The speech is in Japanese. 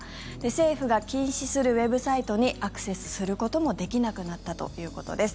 政府が禁止するウェブサイトにアクセスすることもできなくなったということです。